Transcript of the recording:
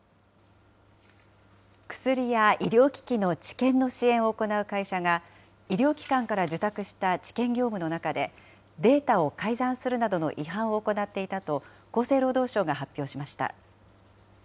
薬や医療機器の治験の支援を行う会社が、医療機関から受託した治験業務ので、データを改ざんするなどの違反を行っていたと、厚生労働省が発表しました。